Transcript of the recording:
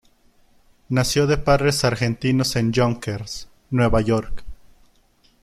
Nació de padres argentinos en Yonkers, Nueva York.